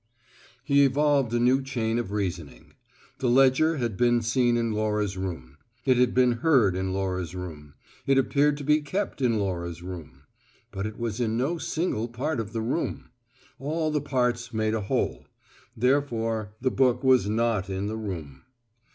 He evolved a new chain of reasoning. The ledger had been seen in Laura's room; it had been heard in her room; it appeared to be kept in her room. But it was in no single part of the room. All the parts make a whole. Therefore, the book was not in the room.